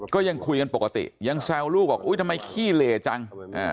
ก็ยังคุยกันปกติยังแซวลูกบอกอุ๊ยทำไมขี้เหล่จัง